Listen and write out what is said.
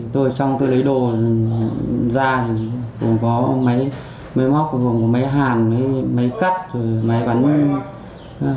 tôi trong tôi lấy đồ ra cũng có máy móc máy hàn máy cắt máy bán tiên laser